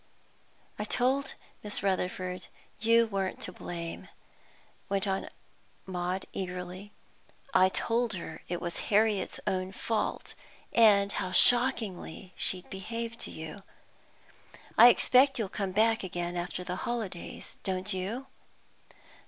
"I told Miss Rutherford you weren't to blame," went on Maud eagerly. "I told her it was Harriet's own fault, and how shockingly she'd behaved to you. I expect you'll come back again after the holidays, don't you?"